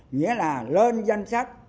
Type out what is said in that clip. nghĩa là lên danh sách